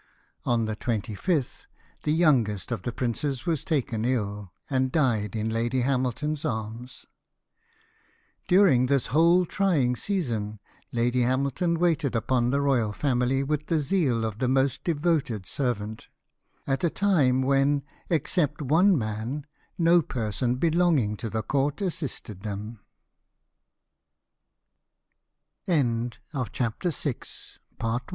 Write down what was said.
On the 25th the youngest of the princes was taken ill, and died in Lady Hamilton's arms. During this whole trying season Lady Hamilton waited upon the royal family with the zeal of the most devoted servant, at a time when, except one man, no person belonging to the cou